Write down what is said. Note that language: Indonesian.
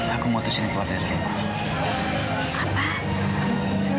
aku mau terusin kuat dari ibu